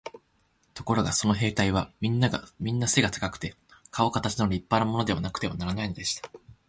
ところがその兵隊はみんな背が高くて、かおかたちの立派なものでなくてはならないのでした。